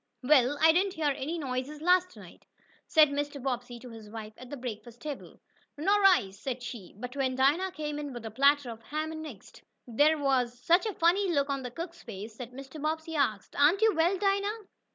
"Well, I didn't hear any noises last night," said Mr. Bobbsey to his wife at the breakfast table. "Nor I," said she. But when Dinah came in with a platter of ham and eggs, there was such a funny look on the cook's face that Mrs. Bobbsey asked: "Aren't you well, Dinah?"